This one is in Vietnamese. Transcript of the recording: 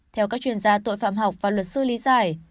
theo các chuyên gia tội phạm học và luật sư lý giải